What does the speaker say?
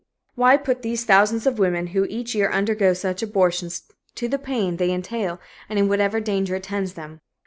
Why put these thousands of women who each year undergo such abortions to the pain they entail and in whatever danger attends them?